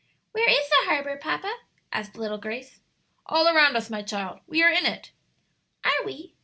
"Where is the harbor, papa?" asked little Grace. "All around us, my child; we are in it." "Are we?"